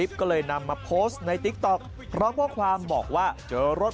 วิทยาลัยศาสตร์อัศวิทยาลัยศาสตร์